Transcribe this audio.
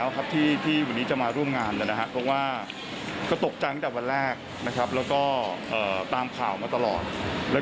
ว่าพี่โมคงไม่ต้องตื่นมาเราเหนื่อยอีกแล้ว